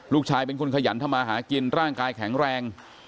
ลูกชายเป็นคนขยันทำมาหากินร่างกายแข็งแรง